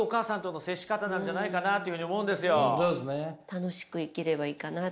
楽しく生きればいいかなっていう。